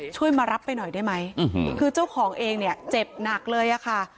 ช่วยมารับไปหน่อยได้ไหมคือเจ้าของเองเนี่ยเจ็บหนักเลยอะค่ะ